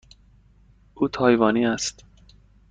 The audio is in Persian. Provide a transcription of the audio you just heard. او تایوانی است.